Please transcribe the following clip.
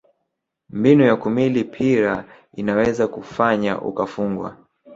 mbinu ya kumili pira inaweza kufanya ukafungwa